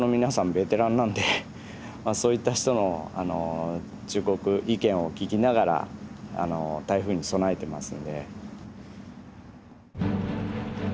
ベテランなんでそういった人の忠告意見を聞きながら台風に備えてますんで。